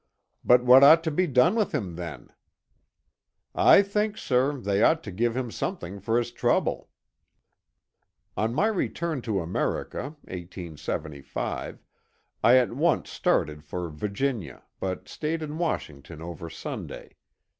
" But what ought to be done with him then ?" "I think, sir, they ought to give him something for his trouble." On my return to America (1875) I at once started for Vir ginia, but staid in Washington over Sunday.